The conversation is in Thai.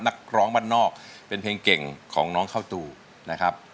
นักร้องบ้านนอกเป็นเพลงเก่งของน้องเข้าตูนะครับ